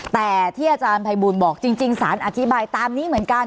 แต่ที่อาจารย์ภัยบูลบอกจริงสารอธิบายตามนี้เหมือนกัน